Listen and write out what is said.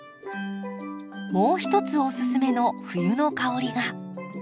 もう一つおすすめの冬の香りが。